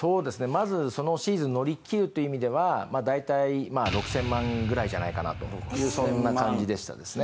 まずそのシーズン乗り切るという意味では大体６０００万ぐらいじゃないかなというそんな感じでしたね。